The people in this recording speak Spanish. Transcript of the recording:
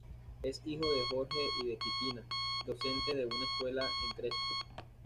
Es hijo de Jorge y de Titina, docente de una escuela en Crespo.